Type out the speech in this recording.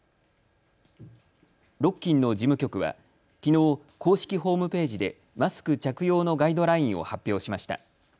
ロッキンの事務局はきのう、公式ホームページでマスク着用のガイドラインを発表しました。